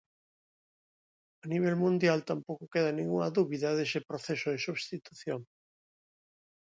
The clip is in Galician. A nivel mundial tampouco queda ningunha dúbida dese proceso de substitución.